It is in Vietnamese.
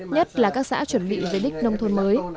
nhất là các xã chuẩn bị giới đích nông thôn